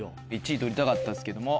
１位取りたかったですけども。